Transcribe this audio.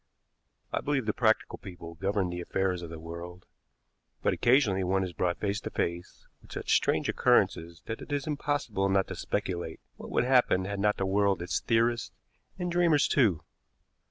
I believe the practical people govern the affairs of the world, but occasionally one is brought face to face with such strange occurrences that it is impossible not to speculate what would happen had not the world its theorists and dreamers too.